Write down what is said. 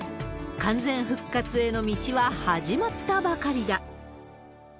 完全復活への道は始まったばかりだ。